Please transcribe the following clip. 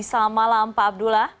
selamat malam pak abdullah